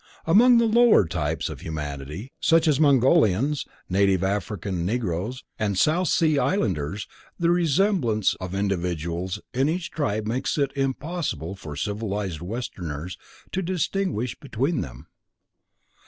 Among the lower types of humanity such as Mongolians, native African Negroes and South Sea Islanders, the resemblance of individuals in each tribe makes it almost impossible for civilized Westerners to distinguish between them.